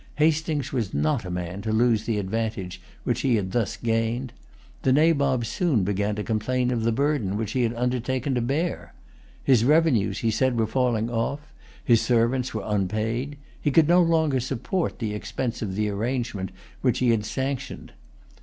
Hastings was not a man to lose the advantage which he had thus gained. The Nabob soon began to complain of the burden which he had undertaken to bear. His revenues, he said, were falling off; his servants were unpaid; he could no longer support the expense of the arrangement which he had sanctioned.